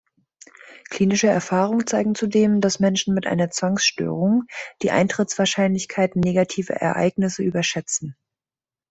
Klinische Erfahrungen zeigen zudem, dass Menschen mit einer Zwangsstörung die Eintrittswahrscheinlichkeiten negativer Ereignisse überschätzen.